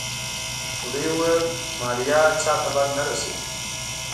بوډۍ وويل ماريا چاته بد نه رسوي.